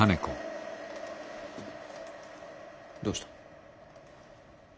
どうした？